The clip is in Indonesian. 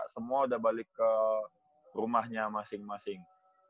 semua udah balik ke rumahnya masing masing